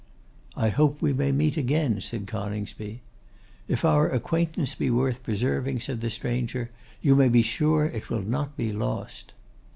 'I hope we may meet again,' said Coningsby. 'If our acquaintance be worth preserving,' said the stranger, 'you may be sure it will not be lost.